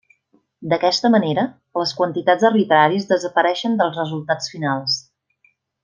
D'aquesta manera, les quantitats arbitràries desapareixen dels resultats finals.